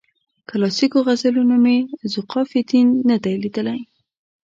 کلاسیکو غزلونو کې مې ذوقافیتین نه دی لیدلی.